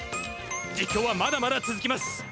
実況はまだまだつづきます。